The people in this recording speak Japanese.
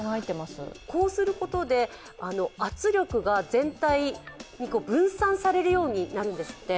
こうすることで圧力が全体に分散されるようになるんですって。